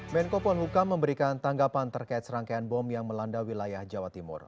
menko polhukam memberikan tanggapan terkait serangkaian bom yang melanda wilayah jawa timur